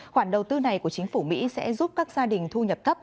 khoản đầu tư này của chính phủ mỹ sẽ giúp các gia đình thu nhập thấp